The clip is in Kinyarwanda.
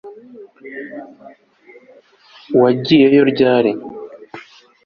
wagiyeyo ryari